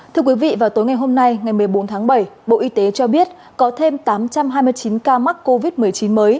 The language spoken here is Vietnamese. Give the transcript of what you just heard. thưa quý vị vào tối ngày hôm nay ngày một mươi bốn tháng bảy bộ y tế cho biết có thêm tám trăm hai mươi chín ca mắc covid một mươi chín mới